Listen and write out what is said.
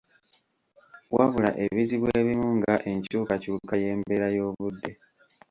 Wabula ebizibu ebimu nga enkyukakyuka y’embeera y’obudde.